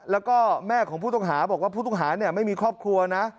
แล้วก็แม่ของผู้ต้องหาบอกว่าผู้ต้องหาไม่มีครอบครัวนะ